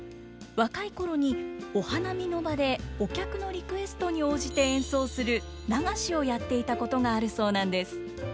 若い頃にお花見の場でお客のリクエストに応じて演奏する流しをやっていたことがあるそうなんです。